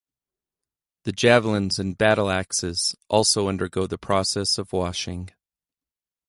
The javelins and battle-axes also undergo the process of washing.